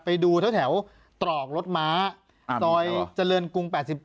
ไปดูแถวตรอกรถม้าซอยเจริญกรุง๘๗